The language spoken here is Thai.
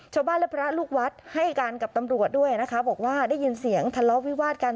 ชาวบ้านและพระลูกวัดให้การกับตำรวจด้วยนะคะบอกว่าได้ยินเสียงทะเลาะวิวาดกัน